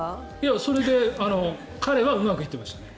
それで彼はうまくいってましたね。